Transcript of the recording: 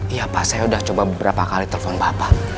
iya pak saya udah coba beberapa kali telpon bapak